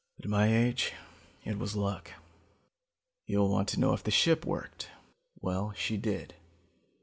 At my age it was luck. "You'll want to know if the ship worked. Well, she did.